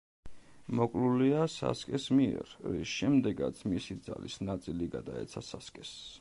მოკლულია სასკეს მიერ, რის შემდეგაც მისი ძალის ნაწილი გადაეცა სასკეს.